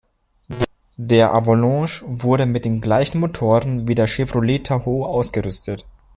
Der Avalanche wurde mit den gleichen Motoren wie der Chevrolet Tahoe ausgerüstet.